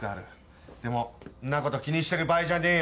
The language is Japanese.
でもんなこと気にしてる場合じゃねえよな？